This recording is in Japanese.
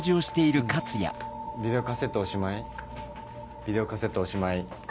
ビデオカセットおしまいビデオカセットおしまい。